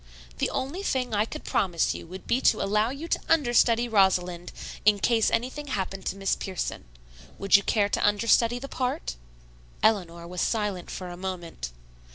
The only thing I could promise you would be to allow you to understudy Rosalind in case anything happened to Miss Pierson. Would you care to understudy the part?" Eleanor was silent for a moment.